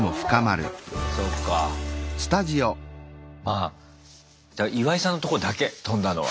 あっ岩井さんのとこだけ飛んだのは。